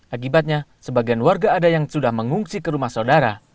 akibatnya sebagian warga ada yang sudah mengungsi ke rumah saudara